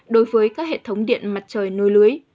đối với các hệ thống điện mặt trời nối lưới